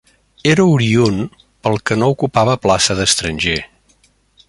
Era oriünd, pel que no ocupava plaça d'estranger.